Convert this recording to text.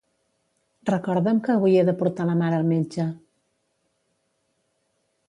Recorda'm que avui he de portar la mare al metge.